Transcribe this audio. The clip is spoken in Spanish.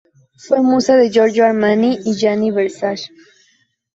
Fue musa de Giorgio Armani y Gianni Versace.